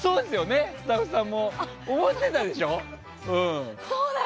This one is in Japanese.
スタッフさんも思ってたでしょ？